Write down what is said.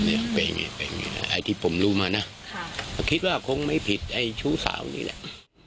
อะไรที่ผมรู้มานะคิดว่าคงไม่ผิดชู้สาวนี้แหละ